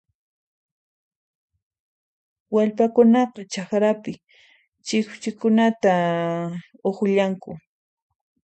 Wallpakunaqa chakrapis chiwchinkunata uqllanku